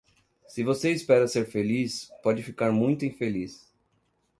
Se você espera ser feliz, pode ficar muito infeliz.